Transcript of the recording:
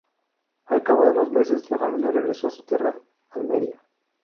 Al cabo de unos meses, la familia regresó a su tierra, Almería.